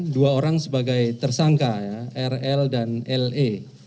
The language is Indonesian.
dua orang sebagai tersangka rl dan le